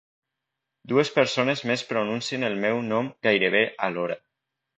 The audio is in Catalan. Dues persones més pronuncien el meu nom gairebé alhora.